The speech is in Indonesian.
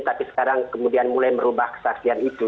tapi sekarang kemudian mulai merubah kesaksian itu